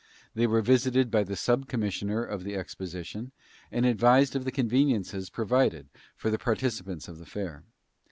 They were visited by the subcommissioner of the exposition and advised of the conveniences provided for the participants of the fair.